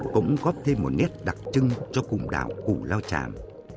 cũng góp thêm một nét đặc trưng cho củm đảo củ lao chạm